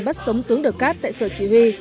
bắt sống tướng đờ cát tại sở chỉ huy